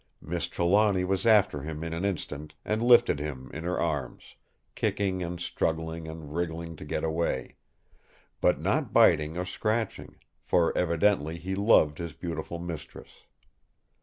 Miss Trelawny was after him in an instant and lifted him in her arms, kicking and struggling and wriggling to get away; but not biting or scratching, for evidently he loved his beautiful mistress.